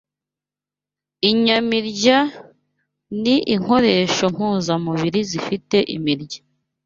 inyamirya ni inkoresho mpuzamuriri zifite imirya